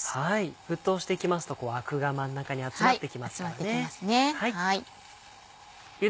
沸騰してきますとアクが真ん中に集まってきますよね。